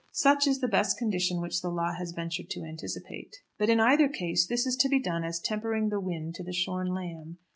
Such is the best condition which the law has ventured to anticipate. But in either case this is to be done as tempering the wind to the shorn lamb.